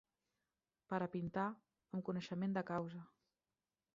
Per a pintar, amb coneixement de causa